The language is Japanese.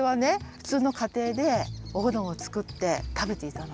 ふつうのかていでおうどんを作って食べていたの。